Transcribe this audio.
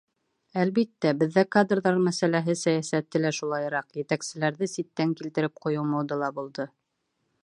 Әлбиттә, беҙҙә кадрҙар мәсьәләһе сәйәсәте лә шулайыраҡ — етәкселәрҙе ситтән килтереп ҡуйыу модала булды.